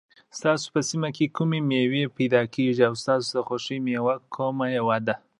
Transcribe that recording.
ستاسو په سيمې کي کومي مېوې پيدا کېږي او ستاسو د خوښي مېوه کومه يوه ده